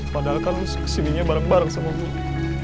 padahal kan lo kesininya bareng bareng sama gue